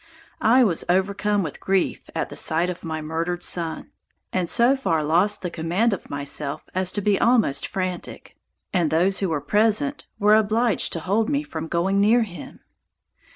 I was overcome with grief at the sight of my murdered son, and so far lost the command of myself as to be almost frantic; and those who were present were obliged to hold me from going near him.